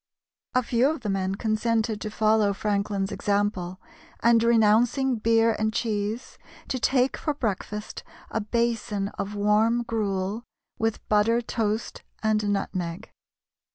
A few of the men consented to follow Franklin's example, and renouncing beer and cheese, to take for breakfast a basin of warm gruel, with butter, toast, and nutmeg.